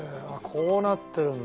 こうなってるんだ。